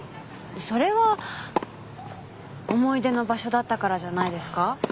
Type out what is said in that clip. それは思い出の場所だったからじゃないですか？